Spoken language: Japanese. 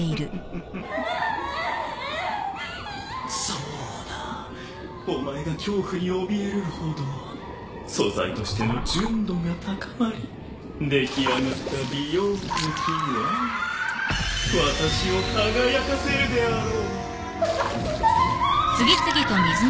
そうだお前が恐怖におびえるほど素材としての純度が高まり出来上がった美容液は私を輝かせるであろう。